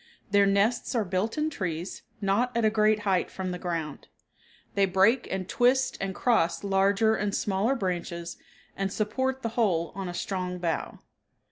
Their nests are built in trees, not at a great height from the ground. They break and twist and cross larger and smaller branches and support the whole on a strong bough.